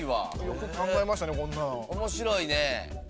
面白いね。